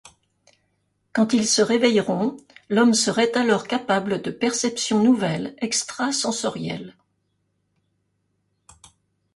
Quand ils se réveilleront, l’homme serait alors capable de perceptions nouvelles, extra-sensorielles.